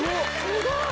すごい！